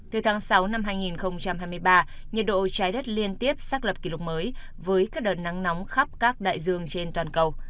từ tháng sáu năm hai nghìn hai mươi ba nhiệt độ trái đất liên tiếp xác lập kỷ lục mới với các đợt nắng nóng khắp các đại dương trên toàn cầu